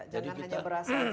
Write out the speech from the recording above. jangan hanya beras saja